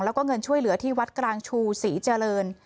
แล้วก็เงินช่วยเหลือที่วัดกลางชูศรีเจริญ